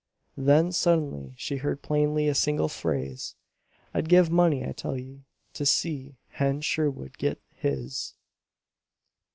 Then suddenly she heard plainly a single phrase: "I'd give money, I tell ye, to see Hen Sherwood git his!"